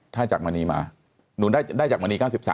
ถ้าจากมณีมาหนูได้จากมณี๙๓